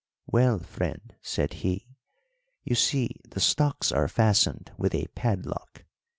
"Well, friend," said he, "you see the stocks are fastened with a padlock.